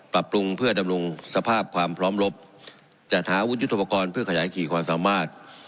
ปรับปรุงเพื่อดำรงสภาพความพร้อมลบจัดหาวุธยุทธปกรณ์เพื่อขยายขี่ความสามารถ